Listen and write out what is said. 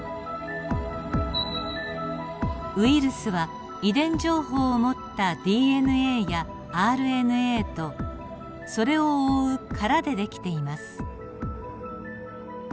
ウイルスは遺伝情報を持ったＤＮＡやＲＮＡとそれを覆う殻でできています。